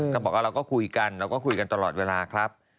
ก็บอกว่าเราก็คุยกันเราก็คุยกันตลอดเวลาครับ